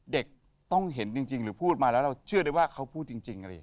เด็กต้องเห็นจริงหรือพูดมาแล้วเราเชื่อได้ว่าเค้าพูดจริง